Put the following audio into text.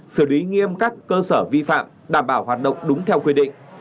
xử lý nghiêm các cơ sở vi phạm đảm bảo hoạt động đúng theo quy định